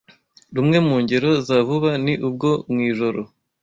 Rumwe mu ngero za vuba ni ubwo mu ijoro